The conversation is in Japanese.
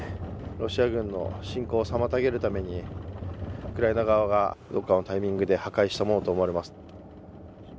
ロシア軍の侵攻を妨げるためにウクライナ側がどこかのタイミングで破壊したものと思われます。